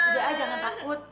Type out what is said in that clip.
udah aja jangan takut